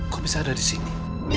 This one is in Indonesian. kok bisa ada disini